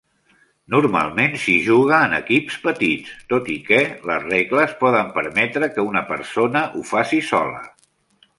Normalment s'hi juga en equips petits, tot i que les regles poden permetre que una persona ho faci sola.